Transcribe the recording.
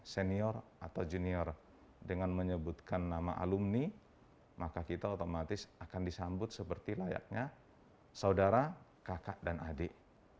senior atau junior dengan menyebutkan nama alumni maka kita otomatis akan disambut seperti layaknya saudara kakak dan adik